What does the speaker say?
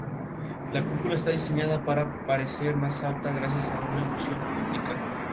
La cúpula está diseñada para parecer más alta, gracias a una ilusión óptica.